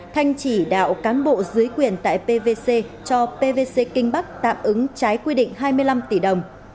thanh chỉ đạo cán bộ dưới quyền tại pvc cho pvc kinh bắc tạm ứng trái quy định hai mươi năm tỷ đồng